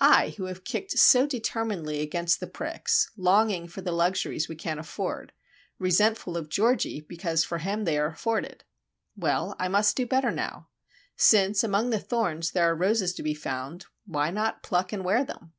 I, who have kicked so determinedly against the pricks;—longing for the luxuries we can't afford;—resentful of Georgie because for him they are afforded. Well, I must do better now. Since, among the thorns, there are roses to be found, why not pluck and wear them?